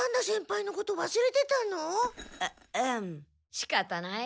しかたない。